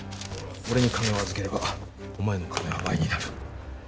俺に金を預ければお前の金は倍になる。